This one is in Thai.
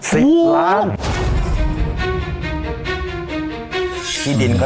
สวัสดีครับ